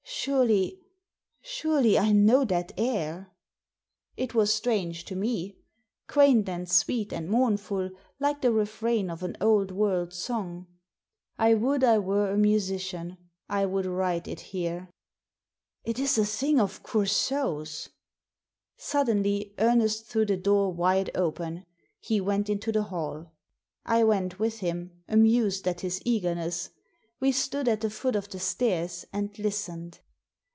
"Surely — surely I know that air!" It was strange to me. Quaint and sweet and mournful, like the refrain of an old world song. I would I were a musician. I would write it here. " It is a thing of Coursault's !" Suddenly Ernest threw the door wide open. He went into the hall. I went with him, amused at his eagerness. We stood at the foot of the stairs and listened.